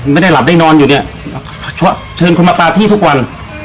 ไม่ได้หลับได้นอนอยู่เนี่ยเชิญคนมาปาที่ทุกวัน